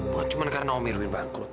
bukan cuma karena om irwin bangkrut